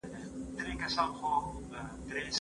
څنګه د ځان لپاره شخصي حدود وټاکو؟